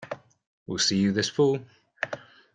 We'll see you this Fall!